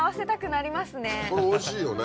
これおいしいよね。